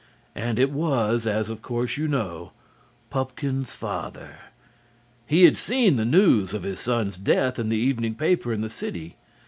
And it was, as of course you know, Pupkin's father. He had seen the news of his son's death in the evening paper in the city.